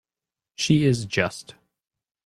She is just.